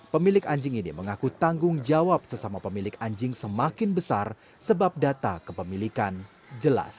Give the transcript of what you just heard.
pemilik anjing ini mengaku tanggung jawab sesama pemilik anjing semakin besar sebab data kepemilikan jelas